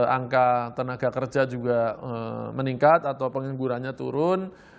angka tenaga kerja juga meningkat atau penganggurannya turun